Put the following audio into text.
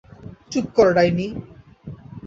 চুপ কর, ডাইনী!